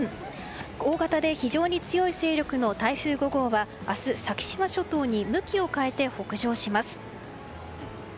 大型で非常に強い勢力の台風５号は明日、先島諸島に向きを変えて北上します。